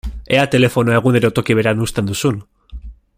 Ea telefonoa egunero toki berean uzten duzun!